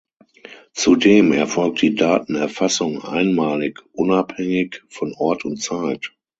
Zudem erfolgt die Datenerfassung einmalig unabhängig von Ort und Zeit.